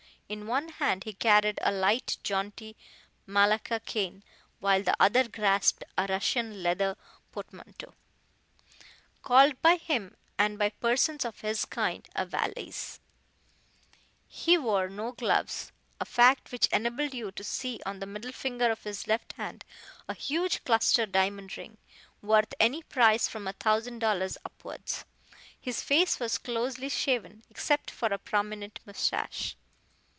In one hand he carried a light, jaunty Malacca cane, while the other grasped a Russian leather portmanteau, called by him and by persons of his kind a valise. He wore no gloves a fact which enabled you to see on the middle finger of his left hand a huge cluster diamond ring, worth any price from a thousand dollars upwards. His face was closely shaven, except for a prominent moustache.